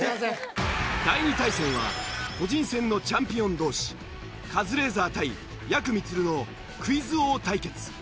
第２対戦は個人戦のチャンピオン同士カズレーザー対やくみつるのクイズ王対決。